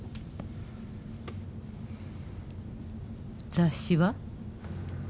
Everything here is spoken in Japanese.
雑誌は？